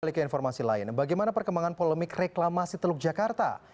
kita ke informasi lain bagaimana perkembangan polemik reklamasi teluk jakarta